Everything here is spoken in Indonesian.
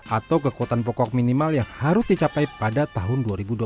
atau kekuatan pokok minimal yang harus dicapai pada tahun dua ribu dua puluh empat